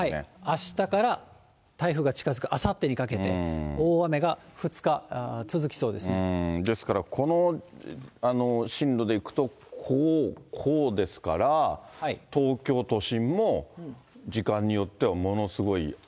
あしたから台風が近づくあさってにかけて、大雨が２日続きそですからこの進路でいくと、こう、こうですから、東京都心も時間によってはものすごい雨。